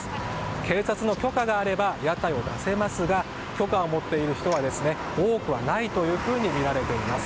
警察の許可があれば屋台を出せますが許可を持っている人は多くないとみられています。